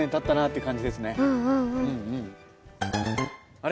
あれ？